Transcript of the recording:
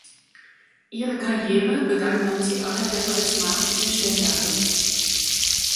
Ihre Karriere begann beim Theater der Altmark in Stendal.